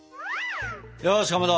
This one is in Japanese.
よしかまど！